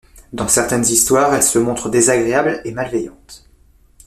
Dans certaines histoires, elle se montre désagréable et malveillante.